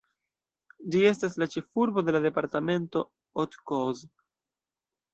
Ĝi estas la ĉefurbo de la departemento Haute-Corse.